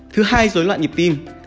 thứ hai dối loạn nhịp tim